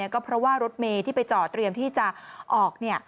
ก็เพราะว่ารถเมย์ที่ไปจอดเตรียมที่จะออก